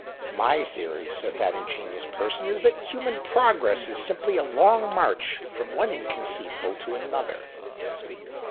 "My theory," said that ingenious person, "is that human progress is simply a long march from one inconceivable to another.